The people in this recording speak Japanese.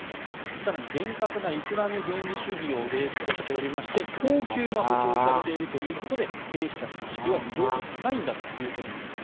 更に厳格なイスラム原理主義をベースとしておりまして高給が保証されているということで兵士たちの士気は非常に高いんだということなんです。